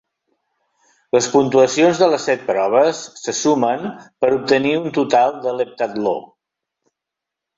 Les puntuacions de les set proves se sumen per obtenir un total de l'heptatló.